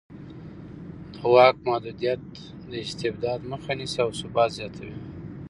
د واک محدودیت د استبداد مخه نیسي او ثبات زیاتوي